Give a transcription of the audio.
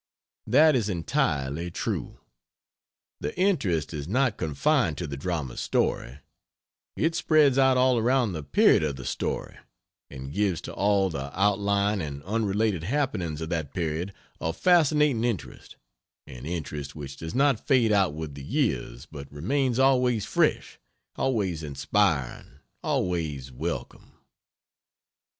That is entirely true. The interest is not confined to the drama's story, it spreads out all around the period of the story, and gives to all the outlying and unrelated happenings of that period a fascinating interest an interest which does not fade out with the years, but remains always fresh, always inspiring, always welcome.